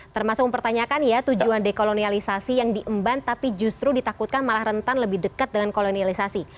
termasuk mempertanyakan ya tujuan dekolonialisasi yang diemban tapi justru ditakutkan malah rentan lebih dekat dengan kolonialisasi